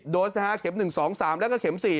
๒๓๘๘๗๐โดสเข็ม๑๒๓แล้วก็เข็ม๔